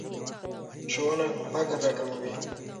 ښوونه فقر راکموي.